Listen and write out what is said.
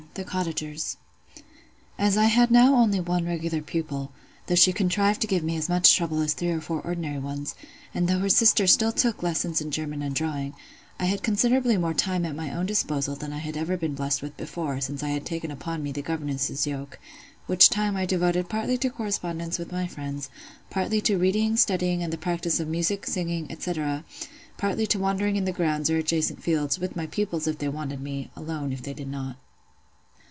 THE COTTAGERS As I had now only one regular pupil—though she contrived to give me as much trouble as three or four ordinary ones, and though her sister still took lessons in German and drawing—I had considerably more time at my own disposal than I had ever been blessed with before, since I had taken upon me the governess's yoke; which time I devoted partly to correspondence with my friends, partly to reading, study, and the practice of music, singing, &c., partly to wandering in the grounds or adjacent fields, with my pupils if they wanted me, alone if they did not.